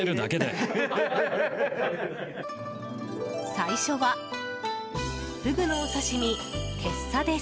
最初はフグのお刺身てっさです。